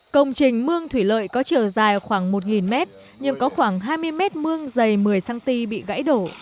công trình mương thủy lợi có chiều dài khoảng một mét nhưng có khoảng hai mươi mét mương dày một mươi cm bị gãy đổ